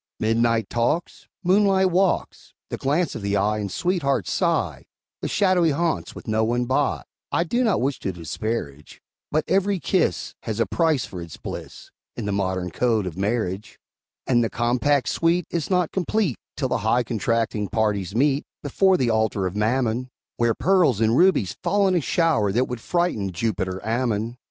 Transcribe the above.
Midnight talks, Moonlight walks, The glance of the eye and sweetheart sigh, The shadowy haunts, with no one by, I do not wish to disparage; But every kiss Has a price for its bliss, In the modern code of marriage; And the compact sweet Is not complete Till the high contracting parties meet Before the altar of Mammon; And the bride must be led to a silver bower, Where pearls and rubies fall in a shower That would frighten Jupiter Ammon!